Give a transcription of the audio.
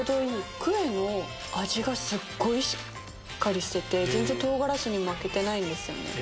クエの味がすっごいしっかりしてて全然唐辛子に負けてないんですよね。